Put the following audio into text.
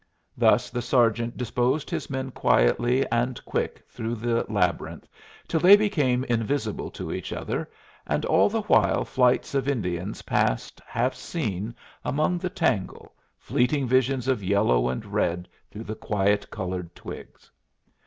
Thus the sergeant disposed his men quietly and quick through the labyrinth till they became invisible to each other; and all the while flights of Indians passed, half seen, among the tangle, fleeting visions of yellow and red through the quiet colored twigs.